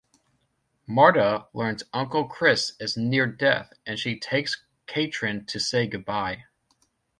Marta learns Uncle Chris is near death, and she takes Katrin to say goodbye.